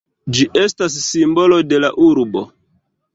Ĝi estas simbolo de la urbo.